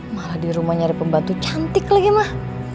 malah di rumah nyari pembantu cantik lagi mah